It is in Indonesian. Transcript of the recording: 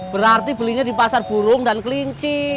berarti belinya di pasar burung dan kelinci